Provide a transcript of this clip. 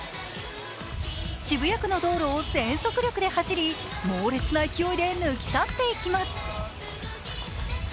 渋谷区の道路を全速力で走り猛烈な勢いで抜き去っていきます。